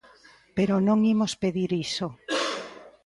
Pero non imos pedir iso.